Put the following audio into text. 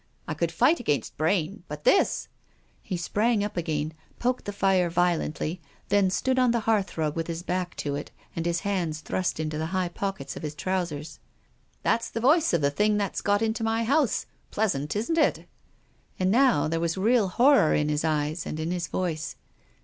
I could fight against brain — but this 1" He sprang up again, poked the fire violently, then stood on the hearth rug with his back to it, and his hands thrust into the high pockets of his trousers. " That's the voice of the thing that's got into my house," he said. " Pleasant, isn't it ?" And now there was really horror in his eyes, and in his voice.